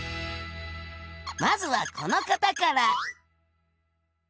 まずはこの方から。